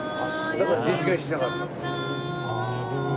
だから実現しなかったの。